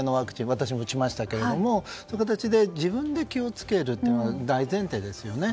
私も打ちましたが、そういう形で自分で気を付けることが大前提ですよね。